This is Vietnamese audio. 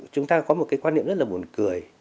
chúng ta có một cái quan niệm rất là buồn cười